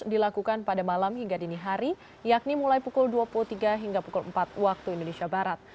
dilakukan pada malam hingga dini hari yakni mulai pukul dua puluh tiga hingga pukul empat waktu indonesia barat